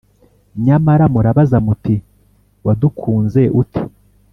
nyamara murabaza muti ‘Wadukunze ute?’